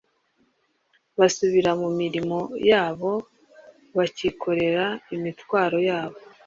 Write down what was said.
basubira mu mirimo yabo bacyikoreye imitwaro yabo.